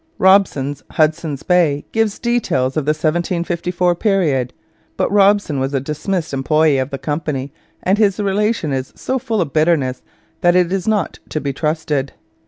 Robson's Hudson's Bay gives details of the 1754 period; but Robson was a dismissed employee of the Company, and his Relation is so full of bitterness that it is not to be trusted.